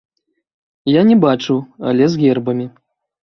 Я не бачыў, але з гербамі.